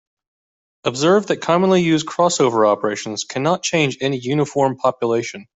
Observe that commonly used crossover operators cannot change any uniform population.